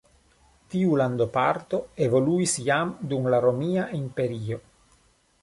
Tiu landoparto evoluis jam dum la Romia Imperio.